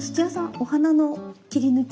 お鼻の切り抜き